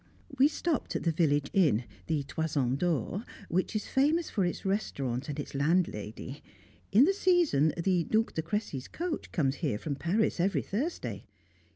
We stopped at the village inn, the "Toison d'Or" which is famous for its restaurant and its landlady. In the season the Duc de Cressy's coach comes here from Paris every Thursday.